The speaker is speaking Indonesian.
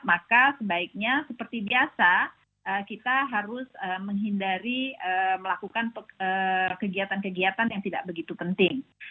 maka sebaiknya seperti biasa kita harus menghindari melakukan kegiatan kegiatan yang tidak begitu penting